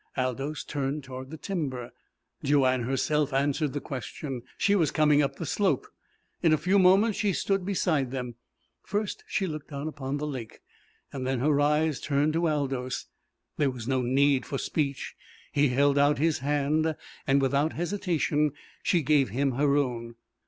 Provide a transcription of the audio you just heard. Aldous turned toward the timber. Joanne herself answered the question. She was coming up the slope. In a few moments she stood beside them. First she looked down upon the lake. Then her eyes turned to Aldous. There was no need for speech. He held out his hand, and without hesitation she gave him her own.